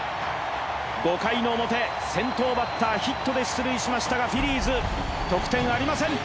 ５回の表先頭バッター、ヒットで出塁しましたがフィリーズ、得点ありません。